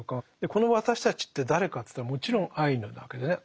この「私たち」って誰かって言ったらもちろんアイヌなわけですよね。